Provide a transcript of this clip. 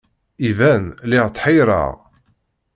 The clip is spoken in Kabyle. Iban, lliɣ tḥeyyreɣ.